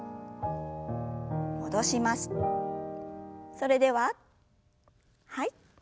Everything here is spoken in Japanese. それでははい。